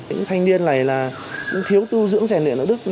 những thanh niên này là cũng thiếu tư dưỡng trẻ niệm ở đức